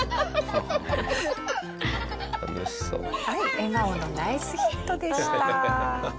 笑顔のナイスヒットでした。